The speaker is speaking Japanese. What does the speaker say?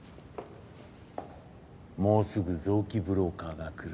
もうすぐ臓器ブローカーが来る。